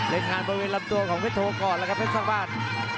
เล่นงานบริเวณลำตัวของเพชรโทก่อนแล้วครับเพชรสร้างบ้าน